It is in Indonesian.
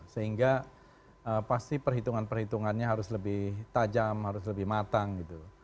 sehingga pasti perhitungan perhitungannya harus lebih tajam harus lebih matang gitu